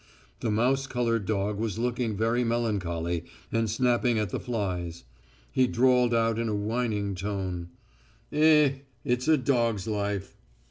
The mouse coloured dog was looking very melancholy and snapping at the flies. He drawled out in a whining tone: "Eh, it's a dog's life!"